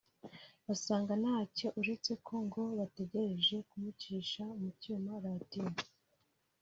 basanga ntacyo uretse ko ngo bategereje kumucisha mu cyuma (Radio)